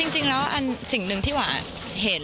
จริงแล้วอันสิ่งหนึ่งที่หวานเห็น